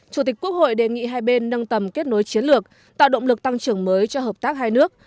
chủ tịch quốc hội đề nghị hai bên nâng tầm kết nối chiến lược tạo động lực tăng trưởng mới cho hợp tác hai nước